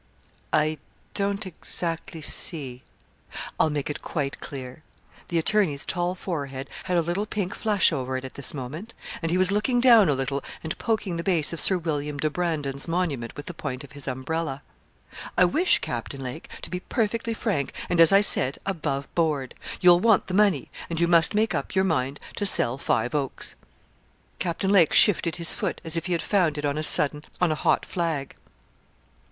'I don't exactly see.' 'I'll make it quite clear.' The attorney's tall forehead had a little pink flush over it at this moment, and he was looking down a little and poking the base of Sir William de Braundon's monument with the point of his umbrella. 'I wish, Captain Lake, to be perfectly frank, and, as I said, above board. You'll want the money, and you must make up your mind to sell Five Oaks.' Captain Lake shifted his foot, as if he had found it on a sudden on a hot flag.